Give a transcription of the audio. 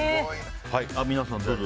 皆さんもどうぞ。